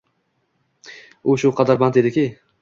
U shu qadar band ediki